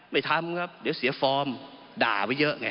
ไม่ทำครับเดี๋ยวเสียฟอร์มด่าไว้เยอะไง